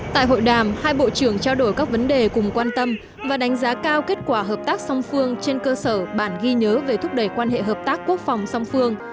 tại hội đàm hai bộ trưởng trao đổi các vấn đề cùng quan tâm và đánh giá cao kết quả hợp tác song phương trên cơ sở bản ghi nhớ về thúc đẩy quan hệ hợp tác quốc phòng song phương